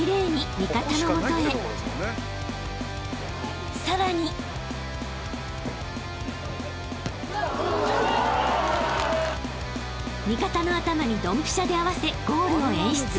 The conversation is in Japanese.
［味方の頭にドンピシャで合わせゴールを演出］